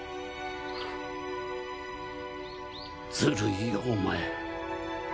ずるいよお前。